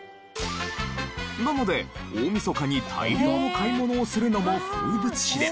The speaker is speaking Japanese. なので大みそかに大量の買い物をするのも風物詩で。